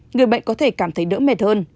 người bệnh có thể cảm thấy đỡ mệt hơn